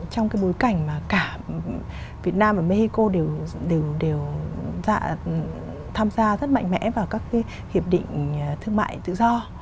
trong cái bối cảnh mà cả việt nam và mexico đều tham gia rất mạnh mẽ vào các cái hiệp định thương mại tự do